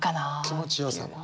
気持ちよさも？